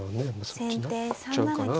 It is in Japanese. そっちになっちゃうかな。